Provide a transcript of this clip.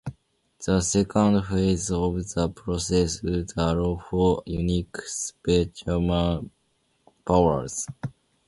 The second phase of the process would allow for unique superhuman powers.